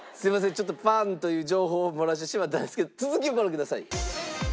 ちょっとパンという情報を漏らしてしまったんですけど続きをご覧ください。